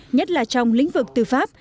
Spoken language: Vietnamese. nhất là trong lĩnh vực tư pháp